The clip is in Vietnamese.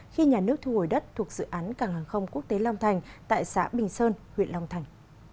khi nhà nước thu hồi đất thuộc dự án cảng hàng không quốc tế long thành tại xã bình sơn huyện long thành